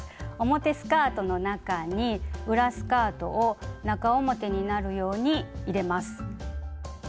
表スカートの中に裏スカートを中表になるように入れます。